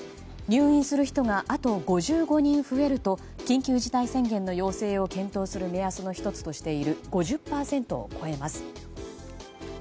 入院する人があと５５人増えると緊急事態宣言の要請を検討する目安の１つとしている５０％を超えます。